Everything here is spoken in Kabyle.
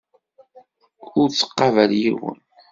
Ur ttqabaleɣ yiwen.